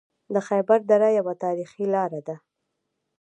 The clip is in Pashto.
د خیبر دره یوه تاریخي لاره ده